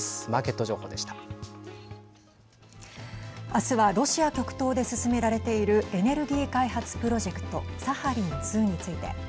明日はロシア極東で進められているエネルギー開発プロジェクトサハリン２について。